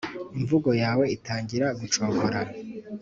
imvugo yawe itangira gucogora.